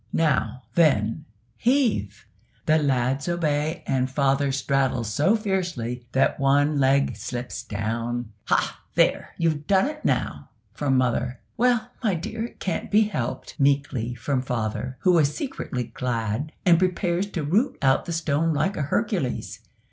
Now, then, heave!" The lads obey, and father straddles so fiercely that one leg slips down. "Hah! there, you've done it now!" from mother. "Well, my dear, it can't be helped," meekly, from father, who is secretly glad, and prepares to root out the stone like a Hercules.